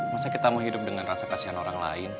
masa kita mau hidup dengan rasa kasihan orang lain